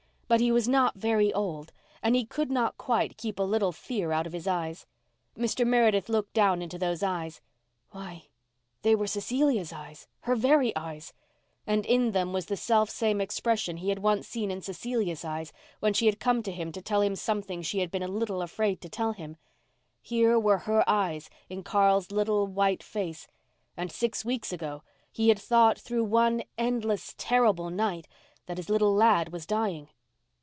But he was not very old and he could not quite keep a little fear out of his eyes. Mr. Meredith looked down into those eyes—why, they were Cecilia's eyes—her very eyes—and in them was the selfsame expression he had once seen in Cecilia's eyes when she had come to him to tell him something she had been a little afraid to tell him. Here were her eyes in Carl's little, white face—and six weeks ago he had thought, through one endless, terrible night, that his little lad was dying.